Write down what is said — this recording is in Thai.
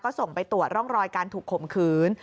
ส่งไปตรวจร่องรอยการถูกข่มขืน